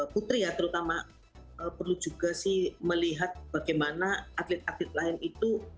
putri ya terutama perlu juga sih melihat bagaimana atlet atlet lain itu